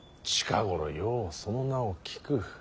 近頃ようその名を聞く。